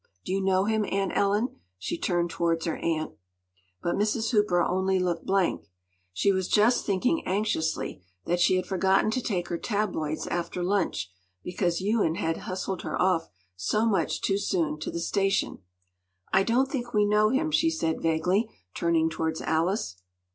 Do you know him, Aunt Ellen?” She turned towards her aunt. But Mrs. Hooper only looked blank. She was just thinking anxiously that she had forgotten to take her tabloids after lunch, because Ewen had hustled her off so much too soon to the station. “I don’t think we know him,” she said vaguely, turning towards Alice.